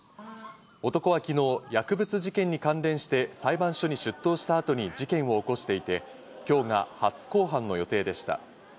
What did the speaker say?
男は昨日、薬物事件に関連して裁判所に出頭した後に事件を起こしていて、今日が初公判の予定でした。